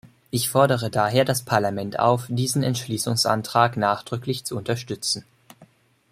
Ich fordere daher das Parlament auf, diesen Entschließungsantrag nachdrücklich zu unterstützen.